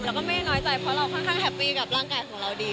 เราก็ไม่ได้น้อยใจเพราะเราค่อนข้างแฮปปี้กับร่างกายของเราดี